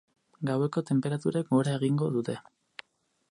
Gaueko tenperaturek gora egingo dute.